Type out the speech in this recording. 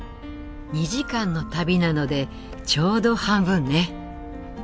２時間の旅なのでちょうど半分ね。